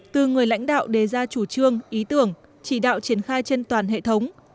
từ người lãnh đạo đề ra chủ trương ý tưởng chỉ đạo triển khai trên toàn hệ thống